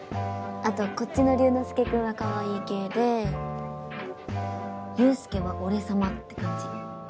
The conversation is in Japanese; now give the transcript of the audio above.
あとこっちのリュウノスケ君はかわいい系で友介は俺様って感じ。